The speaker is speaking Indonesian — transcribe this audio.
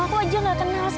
aku aja gak kenal sama kamu